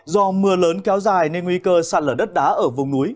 do mưa lớn kéo dài nên nguy cơ sạt lở đất đá ở vùng núi